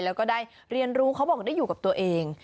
แล้วก็ได้เรียนรู้เขาบอกได้อยู่กับตัวเอง